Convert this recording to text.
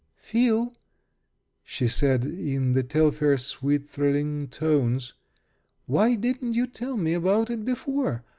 "Phil," she said, in the Telfair, sweet, thrilling tones, "why didn't you tell me about it before?